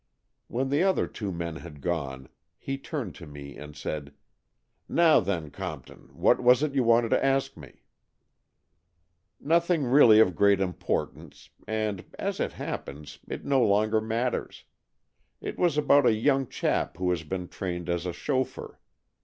When the other two men had gone, he turned to me and said, " Now then, Compton, what was it you wanted to ask me ?"" Nothing really of very great importance, and, as it happens, it no longer matters. It was about a young chap who has been trained as a chauffeur.